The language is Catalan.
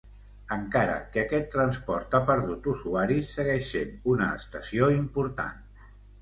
Encara que aquest transport ha perdut usuaris segueix sent una estació important.